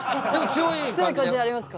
強い感じになりますか？